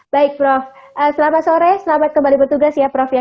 baik prof selamat sore selamat kembali bertugas ya prof ya